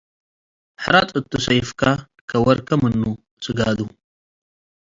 ሕረጥ እቱ ሰይፍካ ከወርኬ ምኑ ስጋዱ